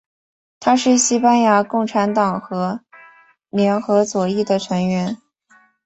他是西班牙共产党和联合左翼的成员。